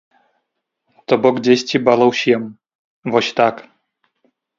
То бок дзесьці балаў сем, вось так.